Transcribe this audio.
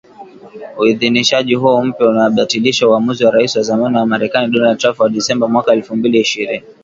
Uidhinishaji huo mpya unabatilisha uamuzi wa Rais wa zamani wa Marekani Donald Trump wa Disemba mwaka elfu mbili ishirini